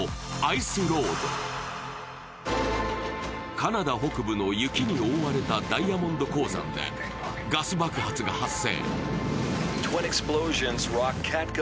カナダ北部の雪に覆われたダイヤモンド鉱山でガス爆発が発生。